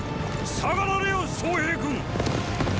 下がられよ昌平君！